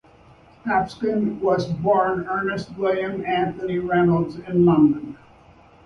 Hopkins was born Ernest William Antony Reynolds in London.